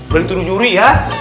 boleh tuduh juri ya